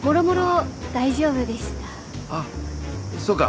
あっそうか。